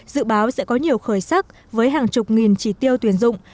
dự báo sẽ có nhiều khởi sắc với hàng chục nghìn chỉ tiêu tuyển dụng